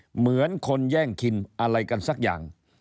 เหมือนคนแย่งกินอะไรกันสักอย่าง